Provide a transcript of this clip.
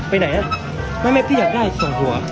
ไปไหนไม่พี่อยากได้ส่วนหัว